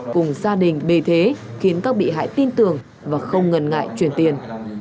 cùng gia đình bề thế khiến các bị hại tin tưởng và không ngần ngại chuyển tiền